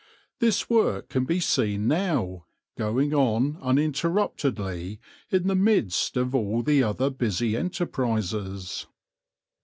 This work can be seen now, going on uninterruptedly in the midst of all the other busy enterprises.